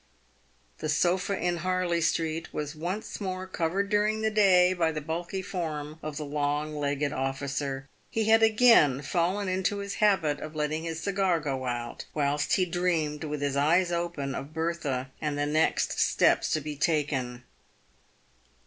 The sofa in Harley street was once more covered during the day by the bulky form of the long legged officer. He had again # fallen into his habit of letting his cigar go out, whilst he dreamed, with his eyes open, of Bertha, and the next steps to be taken.